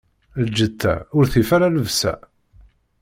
Lǧetta, ur tif ara llebsa?